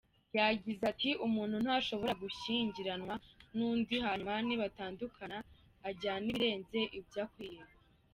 Yagize ati “Umuntu ntashobora gushyingiranwa n’undi hanyuma nibatandukana ajyane ibirenze ibyo akwiye.